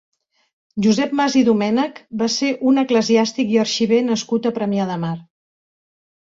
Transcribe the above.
Josep Mas i Domènech va ser un eclesiàstic i arxiver nascut a Premià de Mar.